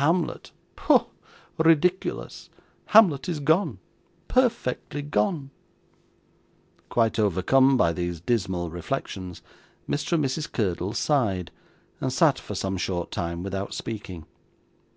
'Hamlet! Pooh! ridiculous! Hamlet is gone, perfectly gone.' Quite overcome by these dismal reflections, Mr. and Mrs. Curdle sighed, and sat for some short time without speaking.